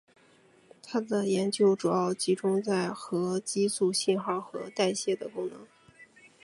他的研究主要集中在核激素信号和代谢的功能。